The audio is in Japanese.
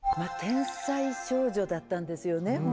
天才少女だったんですよね。